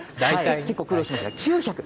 結構苦労しました、９００。